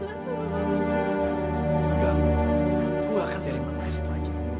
nggak ma aku akan terima kasih itu aja